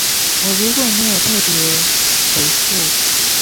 我如果沒有特別回覆